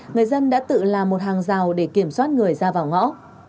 người dân đã tự làm một hàng rào để kiểm soát người ra vào ngõ